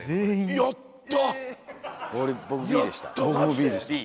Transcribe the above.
やった！